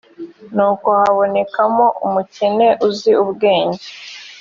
nuko habonekamo umukene uzi ubwenge